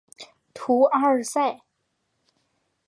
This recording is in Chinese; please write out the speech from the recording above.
图阿尔塞。